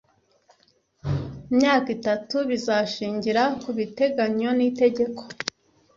imyaka itatu bizashingira ku biteganywanitegeko